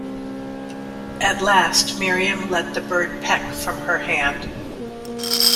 At last Miriam let the bird peck from her hand.